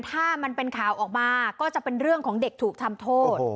ถ้ามันเป็นข่าวออกมาก็จะเป็นเรื่องของเด็กถูกทำโทษ